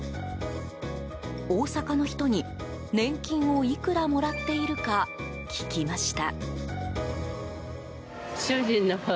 大阪の人に年金をいくらもらっているか聞きました。